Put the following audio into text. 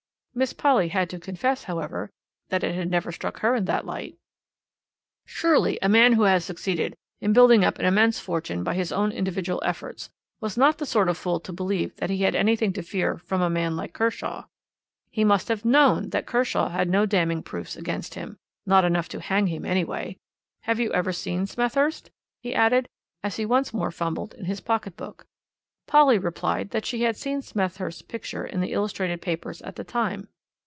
Miss Polly had to confess, however, that it had never struck her in that light. "Surely a man who had succeeded in building up an immense fortune by his own individual efforts, was not the sort of fool to believe that he had anything to fear from a man like Kershaw. He must have known that Kershaw held no damning proofs against him not enough to hang him, anyway. Have you ever seen Smethurst?" he added, as he once more fumbled in his pocket book. Polly replied that she had seen Smethurst's picture in the illustrated papers at the time.